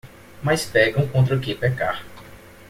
Mais pecam contra que pecar